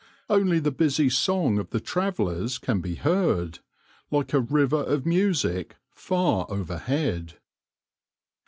Only the busy song of the travellers can be heard, like a river of music, far overhead.